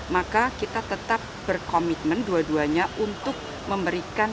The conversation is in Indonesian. maka kita tetap berkomitmen dua duanya untuk memberikan